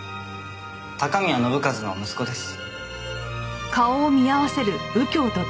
高宮信一の息子です。